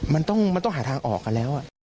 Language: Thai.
มันต้องหาทางออกกันแล้ว